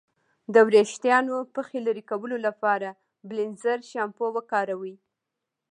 د ویښتانو پخې لرې کولو لپاره بیلینزر شامپو وکاروئ.